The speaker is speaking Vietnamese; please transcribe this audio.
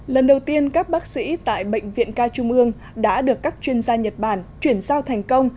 lần đầu tiên các bác sĩ tại bệnh viện ca trung ương đã được các chuyên gia nhật bản chuyển giao thành công